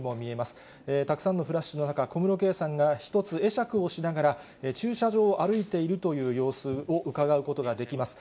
たくさんのフラッシュの中、小室圭さんが１つ会釈をしながら、駐車場を歩いているという様子をうかがうことができます。